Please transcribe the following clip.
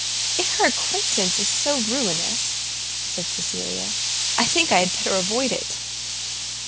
"If her acquaintance is so ruinous," said Cecilia, "I think I had better avoid it."